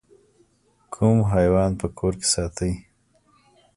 کوم حیوان په کور کې ساتئ؟